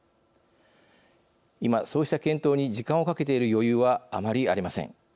今、そうした検討に時間をかけている余裕はあまりありません。